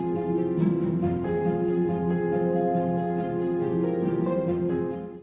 kami akan melakukan perkembangan seperti itu